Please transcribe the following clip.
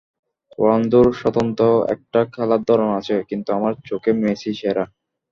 রোনালদোর স্বতন্ত্র একটা খেলার ধরন আছে, কিন্তু আমার চোখে মেসিই সেরা।